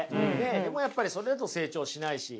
でもやっぱりそれだと成長しないし。